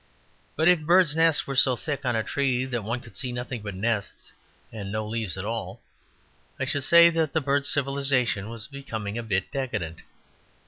But if birds' nests were so thick on a tree that one could see nothing but nests and no leaves at all, I should say that bird civilization was becoming a bit decadent.